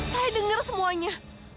saya denger semuanya